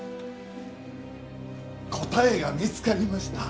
答えが見つかりました。